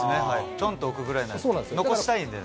ちょんと置くぐらいで、残したいんでね。